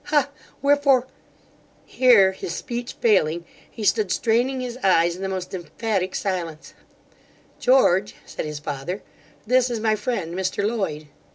ha! wherefore ' Here his speech failing, he stood straining his eyes, in the most emphatic silence 'George (said his father), this is my friend Mr Loyd.